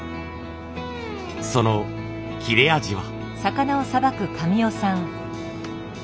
その切れ味は。